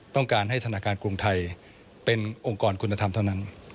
ต้องการให้ธนาคารกรุงไทยเป็นองค์กรคุณธรรมเท่านั้น